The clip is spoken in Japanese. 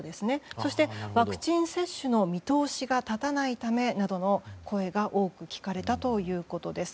そして、ワクチン接種の見通しが立たないためなどの声が多く聞かれたということです。